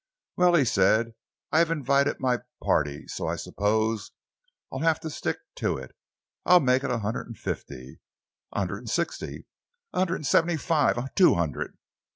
"Well," he said, "I've invited my party so I suppose I'll have to stick to it. I'll make it a hundred and fifty." "A hundred and sixty." "A hundred and seventy five." "Two hundred."